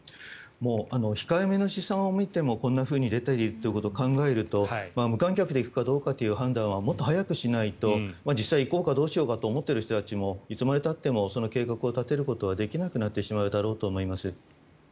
控えめの試算を見てもこんなふうに出ていることを考えると無観客で行くかどうかという判断はもっと早くしないと実際、行こうかどうしようかと思っている人たちもいつまでたってもその計画を立てることはできなくなってしまうだろうと思います。